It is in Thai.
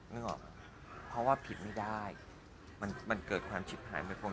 นึกออกไหมเพราะว่าผิดไม่ได้มันเกิดความฉิบหายไม่พ้น